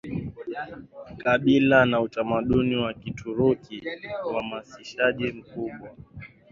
kabila na utamaduni wa Kituruki Uhamasishaji mkubwa